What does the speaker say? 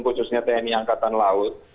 khususnya tni angkatan laut